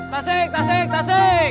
tasik tasik tasik